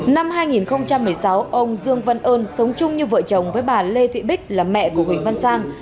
năm hai nghìn một mươi sáu ông dương văn ơn sống chung như vợ chồng với bà lê thị bích là mẹ của huỳnh văn sang